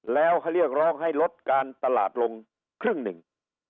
แล้วเขาเรียกร้องให้ลดการตลาดลงครึ่งหนึ่ง